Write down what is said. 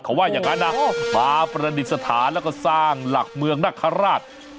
เขาว่าอย่างนั้นนะมาประดิษฐานแล้วก็สร้างหลักเมืองนคราช